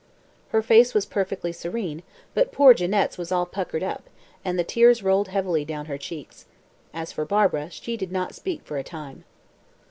Her face was perfectly serene, but poor old Jeannette's was all puckered up, and the tears rolled heavily down her cheeks. As for Barbara, she did not speak for a time.